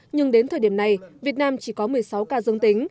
nhưng đến thời điểm này việt nam chỉ có một mươi sáu ca dương tính